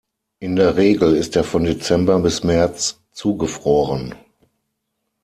In der Regel ist er von Dezember bis März zugefroren.